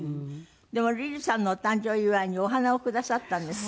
でもリズさんのお誕生祝いにお花をくださったんですって？